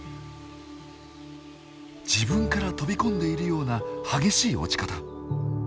自分から飛び込んでいるような激しい落ち方。